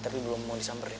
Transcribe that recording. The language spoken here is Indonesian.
tapi belum mau disamperin